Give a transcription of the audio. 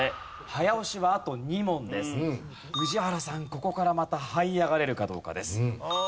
ここからまたはい上がれるかどうかです。